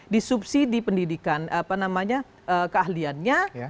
disubsidi pendidikan keahliannya